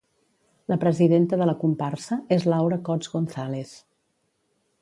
La presidenta de la comparsa és Laura Cots González.